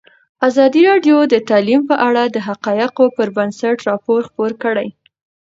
ازادي راډیو د تعلیم په اړه د حقایقو پر بنسټ راپور خپور کړی.